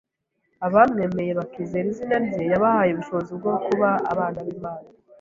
abamwemeye bakizera izina rye yabahaye ubushobozibwo kuba abana b’Imana